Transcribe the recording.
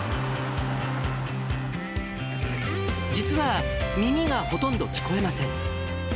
実は、耳がほとんど聞こえません。